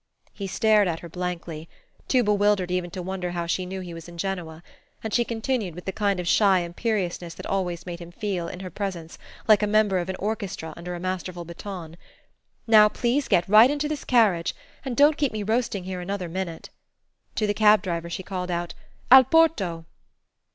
He stared at her blankly, too bewildered even to wonder how she knew he was in Genoa; and she continued, with the kind of shy imperiousness that always made him feel, in her presence, like a member of an orchestra under a masterful baton; "Now please get right into this carriage, and don't keep me roasting here another minute." To the cabdriver she called out: "Al porto."